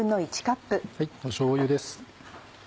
しょうゆです。